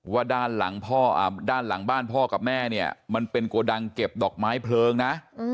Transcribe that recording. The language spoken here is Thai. ว่าด้านหลังพ่อด้านหลังบ้านพ่อกับแม่เนี่ยมันเป็นโกดังเก็บดอกไม้เพลิงนะ